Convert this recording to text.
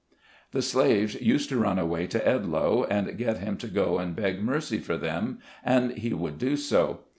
The slaves used to run away to Edloe, and get him to go and beg mercy for them, and he would do so.